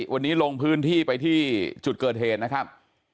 วันนี้ลงพื้นที่ไปที่จุดเกิดเหตุนะครับ